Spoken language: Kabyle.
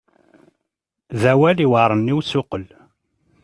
D awal iweɛren i usuqel.